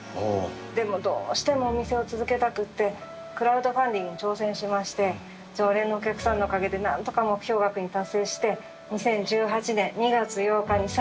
でもどうしてもお店を続けたくってクラウドファンディングに挑戦しまして常連のお客さんのおかげで何とか目標額に達成して２０１８年２月８日に再オープンしたんです。